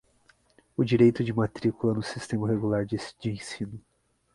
o direito de matrícula no sistema regular de ensino.